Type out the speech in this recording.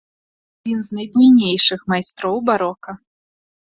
Адзін з найбуйнейшых майстроў барока.